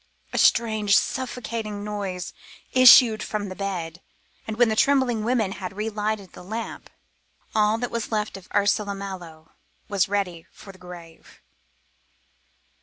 A strange suffocating noise issued from the bed, and when the trembling women had relighted the lamp, all that was left of Ursula Mallow was ready for the grave.